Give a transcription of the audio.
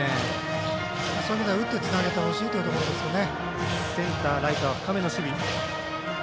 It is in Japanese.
そういう意味では打ってつなげてほしいですね。